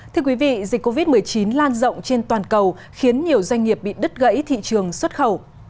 thưa quý vị dịch covid một mươi chín lan rộng trên toàn cầu khiến nhiều doanh nghiệp bị đứt gãy thị trường xuất khẩu